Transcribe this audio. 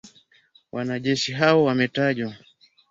Wanajeshi hao wametajwa